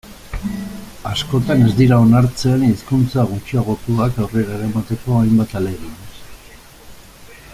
Askotan ez dira onartzen hizkuntza gutxiagotuak aurrera eramateko hainbat ahalegin.